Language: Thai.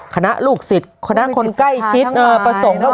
ลูกศิษย์คณะคนใกล้ชิดประสงค์